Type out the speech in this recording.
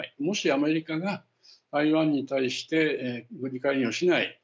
もしアメリカが台湾に対して軍事介入をしない。